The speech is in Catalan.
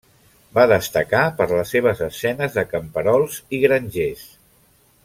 Va destacar per les seves escenes de camperols i grangers.